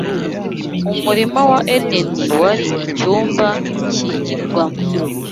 Umurima wa Edeni wari icyumba cyigirwamo